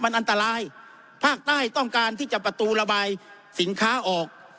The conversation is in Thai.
มันอันตรายภาคใต้ต้องการที่จะประตูระบายสินค้าออก